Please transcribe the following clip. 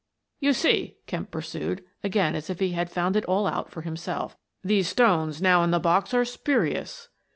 " You see," Kemp pursued, again as if he had found it out all for himself, " these stones now in the box are spurious."